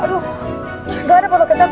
aduh gak ada pakai kecap